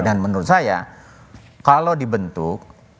dan menurut saya kalau dibentuk